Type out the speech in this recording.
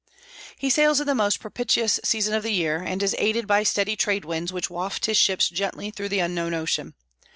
He sails in the most propitious season of the year, and is aided by steady trade winds which waft his ships gently through the unknown ocean.